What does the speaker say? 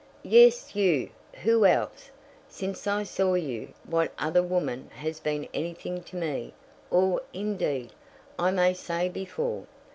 "Yes, you. Who else? Since I saw you what other woman has been anything to me; or, indeed, I may say before?